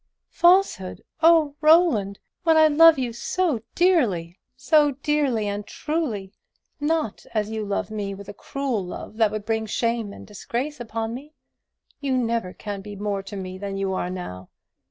"Falsehood! Oh, Roland, when I love you so dearly so dearly and truly; not as you love me, with a cruel love that would bring shame and disgrace upon me. You never can be more to me than you are now.